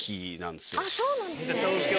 そうなんですね。